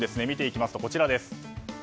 見ていきますと、こちらです。